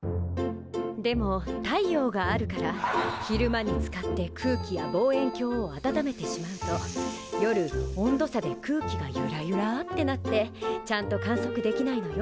でも太陽があるから昼間に使って空気や望遠鏡を温めてしまうと夜温度差で空気がゆらゆらってなってちゃんと観測できないのよ